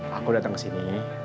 aku datang kesini